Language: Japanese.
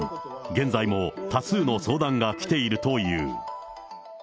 現在も、多数の相談が来ているという。